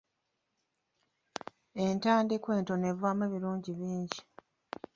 Entandikwa entono evaamu ebirungi bingi.